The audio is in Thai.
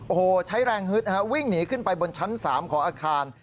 โอ้โหใช้แรงฮึดนะฮะวิ่งหนีขึ้นไปบนชั้น๓ของอาคาร